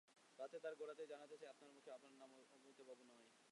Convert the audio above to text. তার গোড়াতেই জানাতে চাই আপনার মুখে আমার নাম অমিতবাবু নয়।